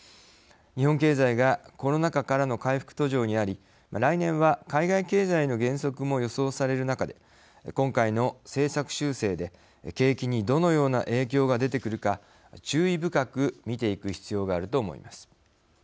日本経済がコロナ禍からの回復途上にあり来年は海外経済の減速も予想される中で今回の政策修正で景気にどのような影響が出てくるか注意深く見ていく必要があると思います。